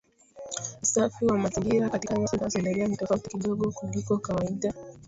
Usafi wa mazingira katika nchi zinazoendelea ni tofauti kidogo kuliko kawaida